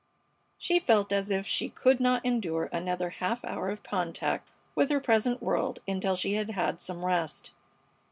She felt as if she could not endure another half hour of contact with her present world until she had had some rest.